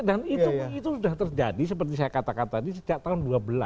dan itu sudah terjadi seperti saya katakan tadi setiap tahun dua belas